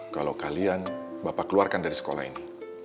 kalau kalian bapak keluarkan dari sekolah ini